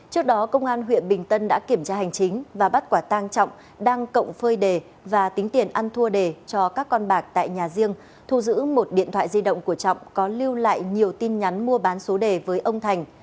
trước đó công an huyện bình tân đã kiểm tra hành chính và bắt quả tang trọng đang cộng phơi đề và tính tiền ăn thua đề cho các con bạc tại nhà riêng thu giữ một điện thoại di động của trọng có lưu lại nhiều tin nhắn mua bán số đề với ông thành